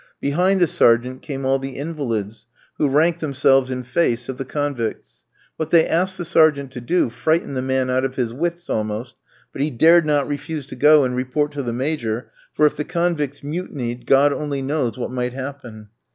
Behind the sergeant came all the invalids, who ranked themselves in face of the convicts. What they asked the sergeant to do frightened the man out of his wits almost, but he dared not refuse to go and report to the Major, for if the convicts mutinied, God only knows what might happen.